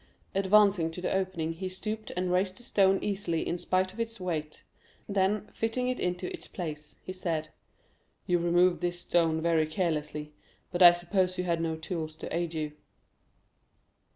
Advancing to the opening, he stooped and raised the stone easily in spite of its weight; then, fitting it into its place, he said: "You removed this stone very carelessly; but I suppose you had no tools to aid you."